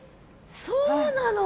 そうなの？